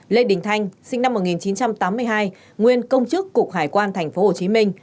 lê đình thanh sinh năm một nghìn chín trăm tám mươi hai nguyên công chức cục hải quan tp hcm